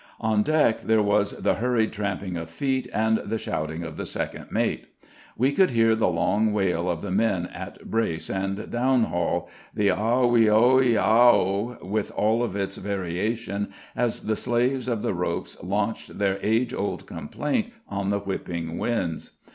On deck there was the hurried tramping of feet, and the shouting of the second mate. We could hear the long wail of the men at brace and downhaul, the "Ah hee Oh hee ah Ho!" with all of its variation as the slaves of the ropes launched their age old complaint on the whipping winds.